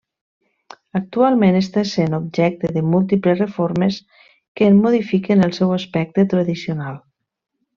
Actualment està essent objecte de múltiples reformes que en modifiquen el seu aspecte tradicional.